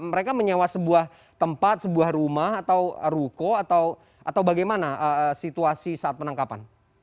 mereka menyewa sebuah tempat sebuah rumah atau ruko atau bagaimana situasi saat penangkapan